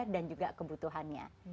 dan juga kebutuhannya